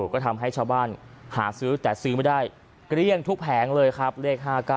ก็ทำให้ชาวบ้านหาซื้อแต่ซื้อไม่ได้เกลี้ยงทุกแผงเลยครับเลข๕๙